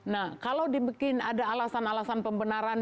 nah kalau dibikin ada alasan alasan pembenaran